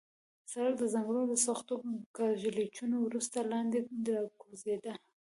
سړک د ځنګله له سختو کږلېچونو وروسته لاندې راکوزېده.